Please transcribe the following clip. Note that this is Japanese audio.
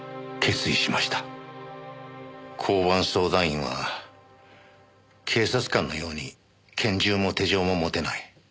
交番相談員は警察官のように拳銃も手錠も持てない。